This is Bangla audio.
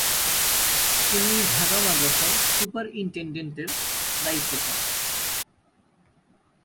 তিনি ঢাকা মাদ্রাসার সুপারিনটেন্ডেন্টের দায়িত্ব পান।